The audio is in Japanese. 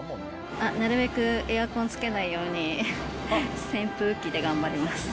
なるべくエアコンつけないように、扇風機で頑張ります。